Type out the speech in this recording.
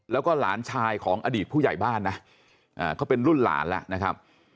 แล้วก็หลานชายของอดีตผู้ใหญ่บ้านนะเขาเป็นรุ่นหลานแล้วนะครับ